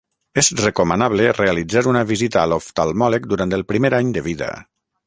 És recomanable realitzar una visita a l'oftalmòleg durant el primer any de vida.